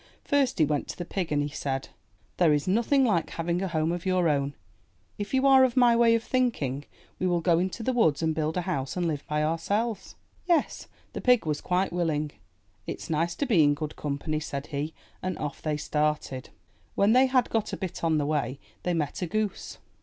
First he went to the pig and he said: '* There is nothing like having a home of your own. If you are of my way of thinking, we will go into the woods and build a house and live by ourselves/' Yes, the pig was quite willing. '*It's nice to be in good company, said he, and off they started. When they had got a bit on the way, they met a goose.